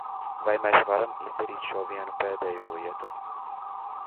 Vai mēs varam izdarīt šo vienu pēdējo lietu?